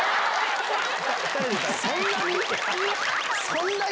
そんなに？